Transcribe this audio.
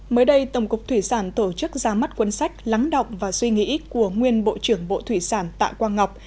mới đây tổng cục thủy sản tổ chức ra mắt cuốn sách lắng đọc và suy nghĩ của nguyên bộ trưởng bộ thủy sản tạ quang ngọc